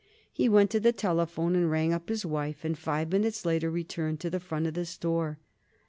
He went to the telephone and rang up his wife, and five minutes later returned to the front of the store.